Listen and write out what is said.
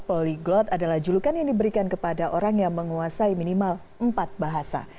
poliglot adalah julukan yang diberikan kepada orang yang menguasai minimal empat bahasa